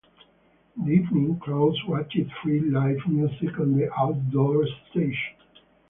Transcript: In the evening crowds watched free live music on the outdoor stage.